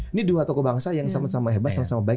ini dua tokoh bangsa yang sama sama hebat sama sama baik